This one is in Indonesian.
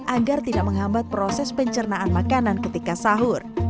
agar tidak menghambat proses pencernaan makanan ketika sahur